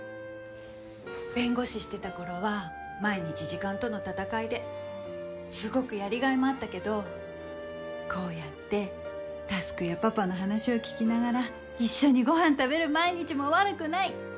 弁護士してたころは毎日時間との闘いですごくやりがいもあったけどこうやって匡やパパの話を聞きながら一緒にご飯食べる毎日も悪くない。